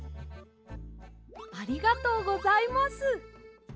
ありがとうございます。